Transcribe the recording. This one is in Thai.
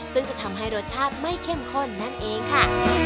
ซึ่งจะทำให้รสชาติไม่เข้มข้นนั่นเองค่ะ